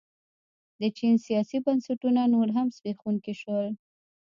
د چین سیاسي بنسټونه نور هم زبېښونکي شول.